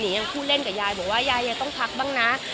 ยังพูดเล่นกับยายบอกว่ายายยังต้องพักบ้างนะ